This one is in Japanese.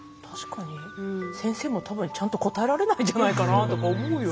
先生もちゃんと答えられないんじゃないかなって思うよね。